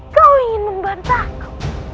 kau ingin membantahku